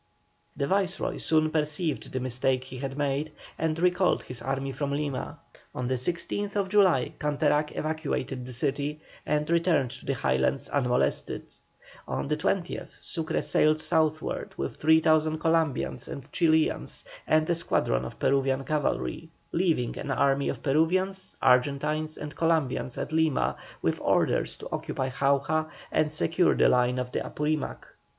The Viceroy soon perceived the mistake he had made, and recalled his army from Lima. On the 16th July Canterac evacuated the city, and returned to the Highlands unmolested. On the 20th Sucre sailed southwards with 3,000 Columbians and Chilians and a squadron of Peruvian cavalry, leaving an army of Peruvians, Argentines, and Columbians at Lima with orders to occupy Jauja and secure the line of the Apurimac.